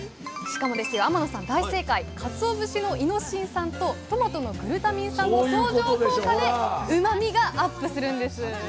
かつお節のイノシン酸とトマトのグルタミン酸の相乗効果でうまみがアップするんです。